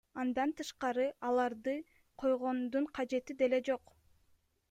Андан тышкары аларды койгондун кажети деле жок.